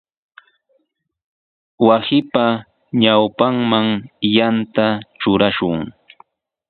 Wasinpa ñawpanman yanta trurashun.